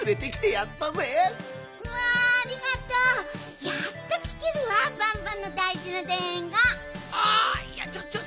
やっときけるわバンバンのだいじなでんごん。